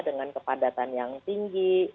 dengan kepadatan yang tinggi